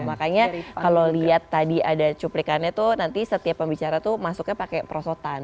makanya kalau lihat tadi ada cuplikannya tuh nanti setiap pembicara tuh masuknya pakai perosotan